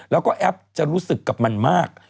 แล้วก็แอปจะรู้สึกกับมันมาก